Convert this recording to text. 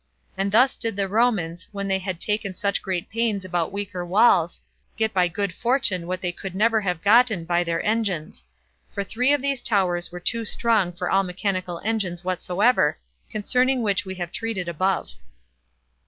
And thus did the Romans, when they had taken such great pains about weaker walls, get by good fortune what they could never have gotten by their engines; for three of these towers were too strong for all mechanical engines whatsoever, concerning which we have treated above.